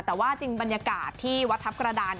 แต่ว่าจริงบรรยากาศที่วัดทัพกระดาน